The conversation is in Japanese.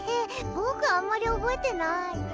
僕あんまり覚えてない。